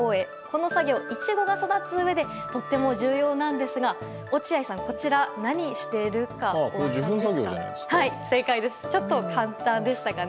この作業、イチゴが育つうえでとても重要なんですが落合さんはこちら、何をしているか授粉作業じゃないですか？